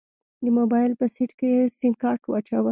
د موبايل په سيټ کې يې سيمکارت واچوه.